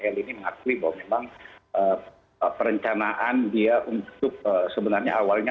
eli ini mengakui bahwa memang perencanaan dia untuk sebenarnya awalnya